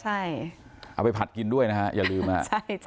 ใช่เอาไปผัดกินด้วยนะฮะอย่าลืมฮะ